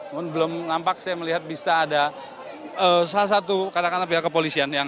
namun belum nampak saya melihat bisa ada salah satu katakanlah pihak kepolisian